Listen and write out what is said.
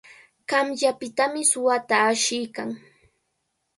Qanyanpitami suwata ashiykan.